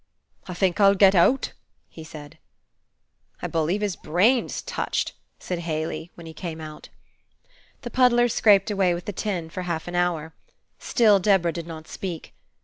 "I think I'll get out," he said. "I believe his brain's touched," said Haley, when he came out. The puddler scraped away with the tin for half an hour. Still Deborah did not speak.